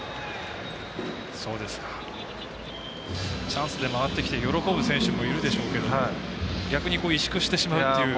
チャンスで回ってきて喜ぶ選手もいるでしょうけれども逆に萎縮してしまうという。